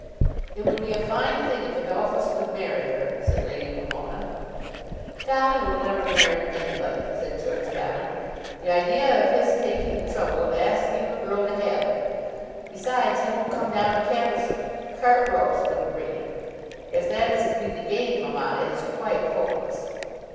"It would be a fine thing if Adolphus would marry her," said Lady Pomona. "Dolly will never marry anybody," said Georgiana. "The idea of his taking the trouble of asking a girl to have him! Besides, he won't come down to Caversham; cart ropes wouldn't bring him. If that is to be the game, mamma, it is quite hopeless."